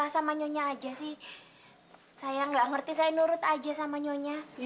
sampai jumpa di video selanjutnya